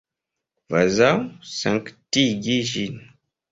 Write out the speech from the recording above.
Kvazaŭ sanktigi ĝin.